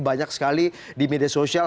banyak sekali di media sosial